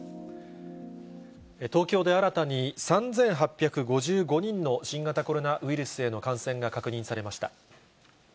東京で新たに３８５５人の新型コロナウイルスへの感染が確認されました。